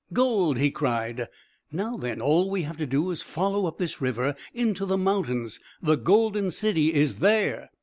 "Gold!" he cried. "Now then, all we have to do is to follow up this river into the mountains. The golden city is there."